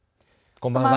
こんばんは。